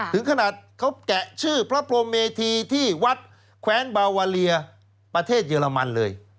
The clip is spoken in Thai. ถึงขนาดเขาแกะชื่อพระพรมเมธีที่วัดแคว้นบาวาเลียประเทศเยอรมันเลย